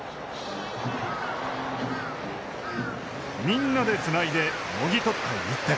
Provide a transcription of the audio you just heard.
みんなでつないで、もぎ取った１点。